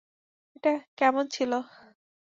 এটা কেমন ছিলো?